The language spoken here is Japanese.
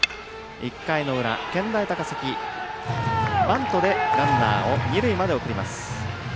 １回の裏、健大高崎バントでランナーを二塁まで送ります。